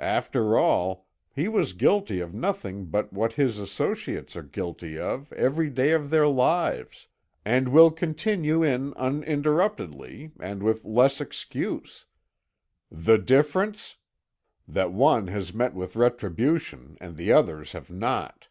After all, he was guilty of nothing but what his associates are guilty of every day of their lives, and will continue in uninterruptedly and with less excuse; the difference that one has met with retribution and the others have not.